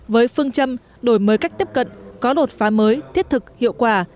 với phương châm đổi mới cách tiếp cận có đột phá mới thiết thực hiệu quả